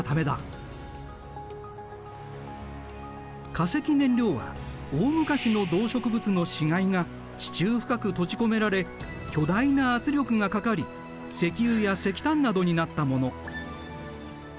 化石燃料は大昔の動植物の死骸が地中深く閉じ込められ巨大な圧力がかかり石油や石炭などになったもの。